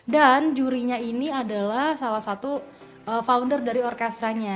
dan jurinya ini adalah salah satu founder dari orkestranya